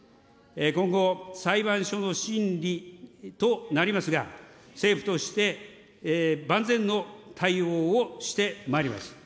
今後、裁判所の審理となりますが、政府として万全の対応をしてまいります。